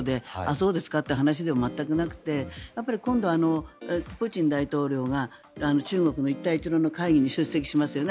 そうですかという話では全くなくて今度、プーチン大統領が中国の一帯一路の会議に出席しますよね。